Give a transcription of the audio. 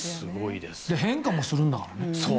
変化もするんだからね。